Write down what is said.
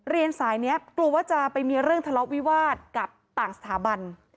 สายนี้กลัวว่าจะไปมีเรื่องทะเลาะวิวาสกับต่างสถาบัน